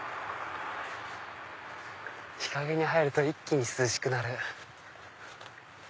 日陰に入ると一気に涼しくなる。